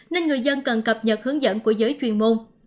nên người dân cần cập nhật hướng dẫn của giới chuyên môn